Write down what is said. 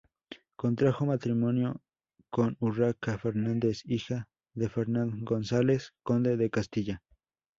Contrajo matrimonio con Urraca Fernández, hija de Fernán González, conde de Castilla.